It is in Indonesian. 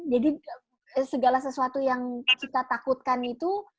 jadi segala sesuatu yang kita takutkan itu